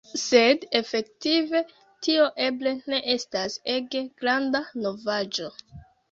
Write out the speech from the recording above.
Sed efektive tio eble ne estas ege granda novaĵo.